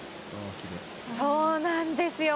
そうなんですよ。